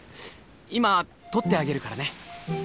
今取ってあげるからね。